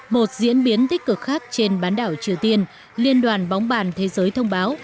một diễn biến tích cực khác trên bán đảo triều tiên liên đoàn bóng bàn thế giới thông báo